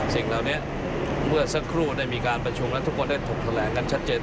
สิ่งเหล่านี้เมื่อสักครู่ได้มีการประชุมแล้วทุกคนได้ถูกแถลงกันชัดเจน